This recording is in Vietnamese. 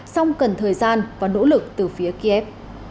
song cần thời gian và nỗ lực từ phía kiev